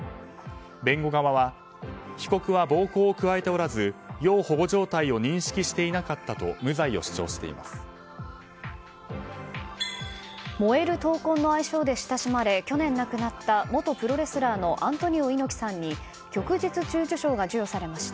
弁護側は被告は暴行を加えておらず要保護状態を認識していなかったと燃える闘魂の愛称で親しまれ去年亡くなった元プロレスラーのアントニオ猪木さんに旭日中綬章が授与されました。